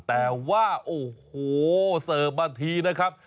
แต่ว่าโอ้โหเสิร์ฟมาทีนะครับ